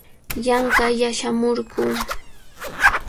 Yanqalla shamurquu.